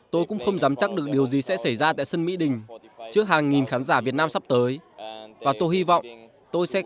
tôi cũng không dám chắc được điều gì sẽ xảy ra tại sân mỹ đình trước hàng nghìn khán giả việt nam sắp tới